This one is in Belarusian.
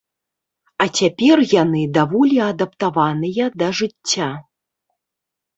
А цяпер яны даволі адаптаваныя да жыцця.